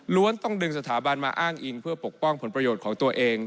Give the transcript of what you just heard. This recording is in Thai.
ต้องดึงสถาบันมาอ้างอิงเพื่อปกป้องผลประโยชน์ของตัวเอง